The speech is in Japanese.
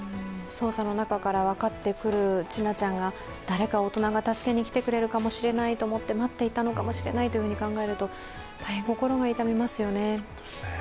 捜査の中から分かってくる、千奈ちゃんが誰か大人が助けにきてくれるかもしれないと思って待っていたのかもしれないと考えると大変心が痛みますよね。